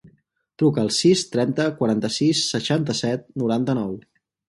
Truca al sis, trenta, quaranta-sis, seixanta-set, noranta-nou.